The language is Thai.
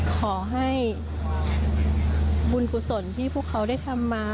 ขอให้บุญกุศลที่พวกเขาได้ทำมา